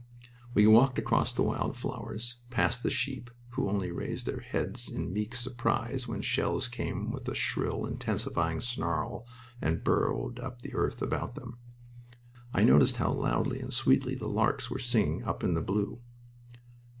We walked across the wild flowers, past the sheep, who only raised their heads in meek surprise when shells came with a shrill, intensifying snarl and burrowed up the earth about them. I noticed how loudly and sweetly the larks were singing up in the blue.